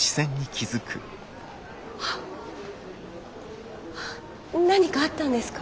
あ何かあったんですか？